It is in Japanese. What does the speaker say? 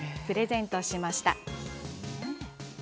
プレゼントしました。